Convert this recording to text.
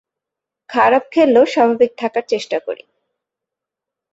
খারাপ খেললেও স্বাভাবিক থাকার চেষ্টা করি।